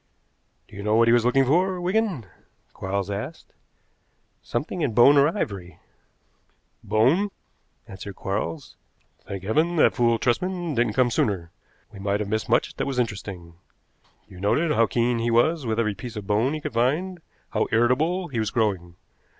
"Do you know what he was looking for, Wigan?" Quarles asked. "Something in bone or ivory." "Bone," answered Quarles. "Thank heaven that fool Tresman didn't come sooner! We might have missed much that was interesting. You noted how keen he was with every piece of bone he could find, how irritable he was growing.